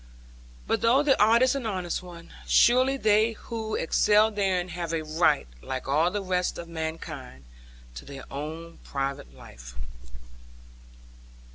But though the art is an honest one, surely they who excel therein have a right (like all the rest of man kind) to their own private life.